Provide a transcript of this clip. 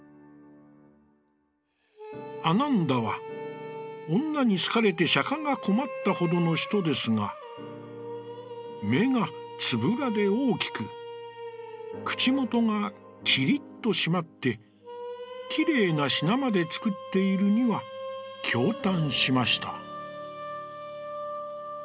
「阿難陀は、女に好かれて釈が困ったほどの人ですが、目がツブラで大きく口元がキリッと締まって、キレイなシナまでつくっているには驚嘆しました」。